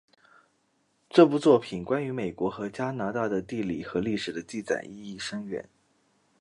这部作品关于美国和加拿大的地理和历史的记载意义深远。